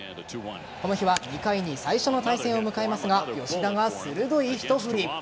この日は２回に最初の対戦を迎えますが吉田が鋭い一振り。